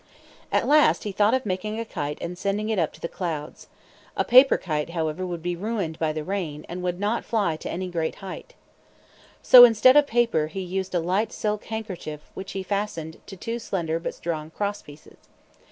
At last he thought of making a kite and sending it up to the clouds. A paper kite, however, would be ruined by the rain and would not fly to any great height. So instead of paper he used a light silk handkerchief which he fastened to two slender but strong cross pieces.